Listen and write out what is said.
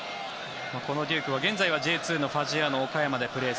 このデュークは現在Ｊ２のファジアーノ岡山でプレー。